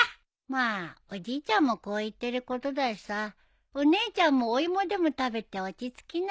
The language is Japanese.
まあおじいちゃんもこう言ってることだしさお姉ちゃんもお芋でも食べて落ち着きなよ。